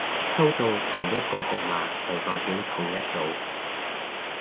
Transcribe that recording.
抽到同一個號碼就代表同一組